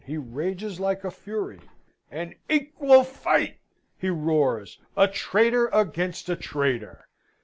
He rages like a fury. "An equal fight!" he roars. "A traitor against a traitor!